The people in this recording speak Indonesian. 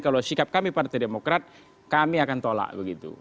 kalau sikap kami partai demokrat kami akan tolak begitu